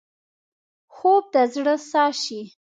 خوب د زړه ساه شي